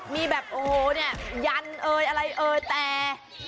มีแบบโอ้โหเนี่ยยันเอ่ยอะไรเอ่ยแต่